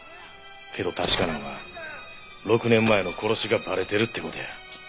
けど確かなのは６年前の殺しがバレてるって事や。